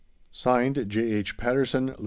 (Signed) J. H. PATTERSON, Lt.